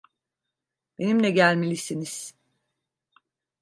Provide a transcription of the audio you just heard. Benimle gelmelisiniz.